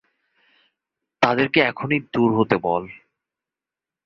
তাদেরকে এখনি দূর হতে বল।